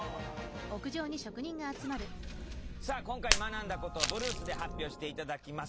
さあ今回学んだことをブルースで発表していただきます。